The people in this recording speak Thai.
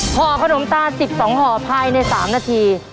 ห่อขนมตา๑๒ห่อภายใน๓นาที